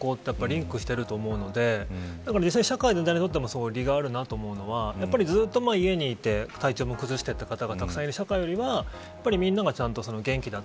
やっぱりメンタルと体の健康ってリンクしていると思うので社会にとっても利があると思うのはずっと家にいて体調を崩した方々がたくさんいる社会よりはみんながちゃんと元気で